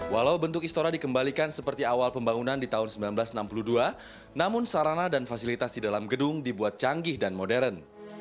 walau bentuk istora dikembalikan seperti awal pembangunan di tahun seribu sembilan ratus enam puluh dua namun sarana dan fasilitas di dalam gedung dibuat canggih dan modern